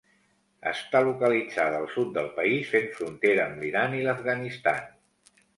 Està localitzada al sud del país, fent frontera amb l'Iran i l'Afganistan.